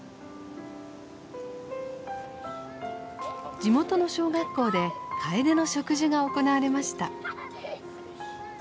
地元の小学校でカエデの植樹が行われました。